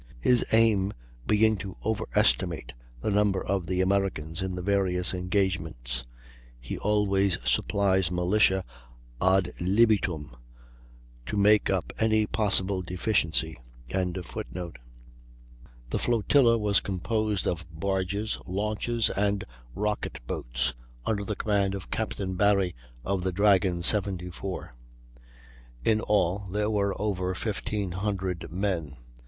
His aim being to overestimate the number of the Americans in the various engagements, he always supplies militia ad libitum, to make up any possible deficiency.] The flotilla was composed of barges, launches, and rocket boats, under the command of Captain Barry of the Dragon, 74. In all there were over 1,500 men.